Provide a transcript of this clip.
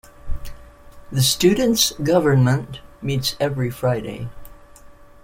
The "Students' government" meets every Friday.